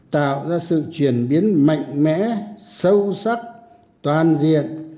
tạo ra sự chuyển biến mạnh mẽ sâu sắc toàn diện